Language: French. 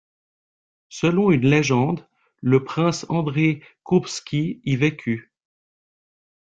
Selon une légende, le prince André Kourbski y vécut.